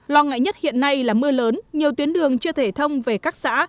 lo ngại nhất hiện nay là mưa lớn nhiều tuyến đường chưa thể thông về các xã